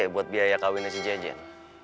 buat biaya kawinnya si jejen